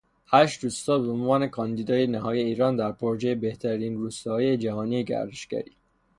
هشت روستا به عنوان کاندیدای نهایی ایران در پروژه بهترین روستاهای جهانی گردشگری